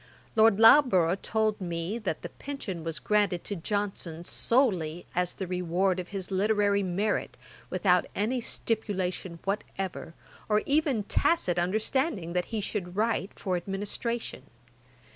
Lord Loughborough told me, that the pension was granted to Johnson solely as the reward of his literary merit, without any stipulation whatever, or even tacit understanding that he should write for administration.